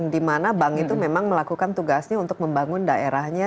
dimana bank itu memang melakukan tugasnya untuk membangun daerahnya